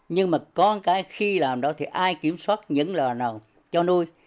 nhưng mà có cái khi làm đó thì ai kiểm soát những loài nào cho nuôi